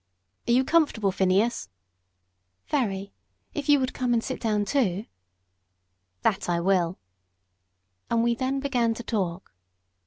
"Are you comfortable, Phineas?" "Very, if you would come and sit down too." "That I will." And we then began to talk.